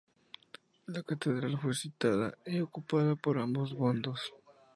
La catedral fue sitiada y ocupada por ambos bandos.